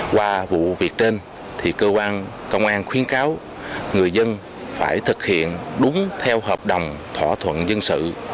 qua vụ việc trên thì cơ quan công an khuyến cáo người dân phải thực hiện đúng theo hợp đồng thỏa thuận dân sự